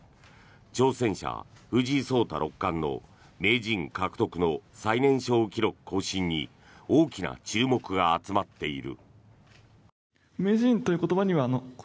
挑戦者・藤井聡太六冠の名人獲得の最年少記録更新に大きな注目が集まっている。